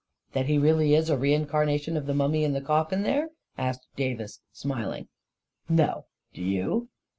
44 That he really is a re incarnation of the mummy in the coffin there ?" asked Davis, smiling. " No. Do you?"